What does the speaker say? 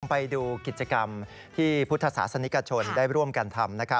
ไปดูกิจกรรมที่พุทธศาสนิกชนได้ร่วมกันทำ